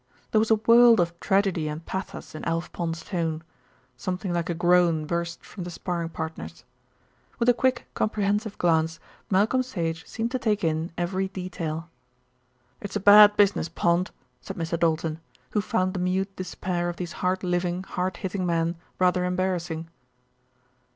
There was a world of tragedy and pathos in Alf Pond's tone. Something like a groan burst from the sparring partners. With a quick, comprehensive glance, Malcolm Sage seemed to take in every detail. "It's a bad business, Pond," said Mr. Doulton, who found the mute despair of these hard living, hard hitting men rather embarrassing.